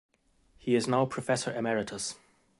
He is now professor emeritus.